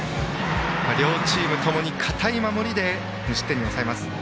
両チーム共に堅い守りで無失点に抑えます。